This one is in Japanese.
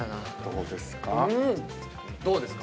どうですか？